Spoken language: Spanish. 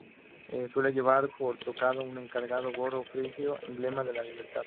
Suele llevar por tocado un encarnado gorro frigio, emblema de la libertad.